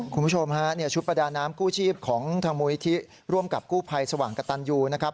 คุณผู้ชมฮะชุดประดาน้ำกู้ชีพของทางมูลิธิร่วมกับกู้ภัยสว่างกระตันยูนะครับ